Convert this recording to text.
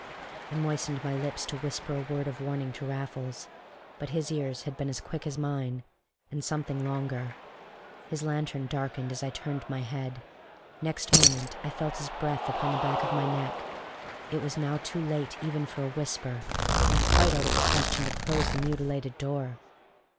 I moistened my lips to whisper a word of warning to Raffles. But his ears had been as quick as mine, and something longer. His lantern darkened as I turned my head; next moment I felt his breath upon the back of my neck. It was now too late even for a whisper, and quite out of the question to close the mutilated door.